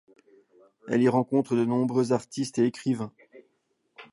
Elle y rencontre de nombreux artistes et écrivains.